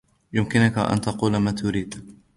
يُمكِنَك أن تقول ما تريد.